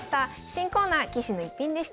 新コーナー「棋士の逸品」でした。